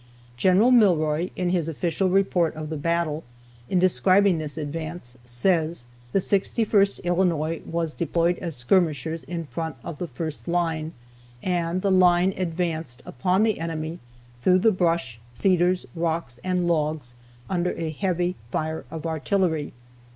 Gen. Milroy, in his official report of the battle, in describing this advance, says: "The Sixty first Illinois was deployed as skirmishers in front of the first line, [and the] line advanced upon the enemy through the brush, cedars, rocks, and logs, under a heavy fire of artillery.